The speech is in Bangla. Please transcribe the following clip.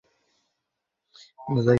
কারা ভীড় করেছে?